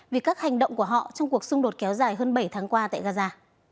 vì các hành động của họ trong cuộc xung đột kéo dài hơn bảy tháng qua tại gaza